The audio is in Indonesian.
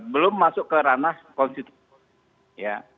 belum masuk ke ranah konstitusi ya